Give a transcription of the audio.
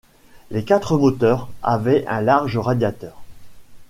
Les quatre moteurs avait un large radiateur.